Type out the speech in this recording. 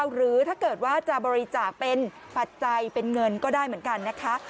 หรือถ้าเกิดว่าจะบริจาคเป็นปัจจัยเป็นเงินก็ได้เหมือนกันนะคะ